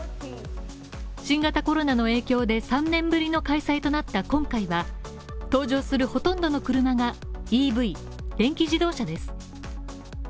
新型コロナの影響で３年ぶりの開催となった今回は登場するほとんどの車がＥＶ＝電気自動車です。